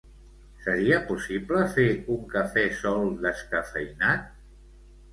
Seria possible fer un cafè sol descafeïnat?